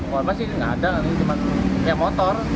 korban sih gak ada cuman kayak motor